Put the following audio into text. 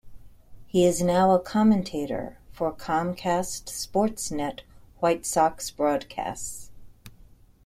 He is now a commentator for Comcast SportsNet White Sox broadcasts.